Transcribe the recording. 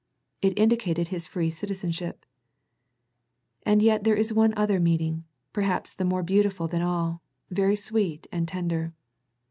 It indicated his free citizenship. ' And yet there is one other meaning, per haps more beautiful than all, very sweet and tender.